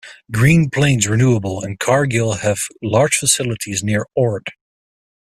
Green Plains Renewable and Cargill have large facilities near Ord.